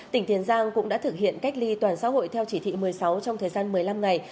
tỉnh tiền giang cũng đã thực hiện cách ly toàn xã hội theo chỉ thị một mươi sáu trong thời gian một mươi năm ngày